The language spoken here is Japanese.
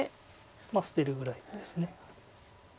まあ捨てるぐらいです。